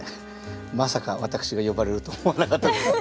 まさか私が呼ばれると思わなかったです。